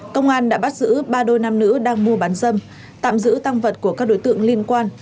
công an đã bắt giữ ba đôi nam nữ đang mua bán dâm tạm giữ tăng vật của các đối tượng liên quan